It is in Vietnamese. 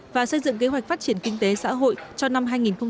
và xây dựng kế hoạch phát triển kinh tế xã hội cho năm hai nghìn hai mươi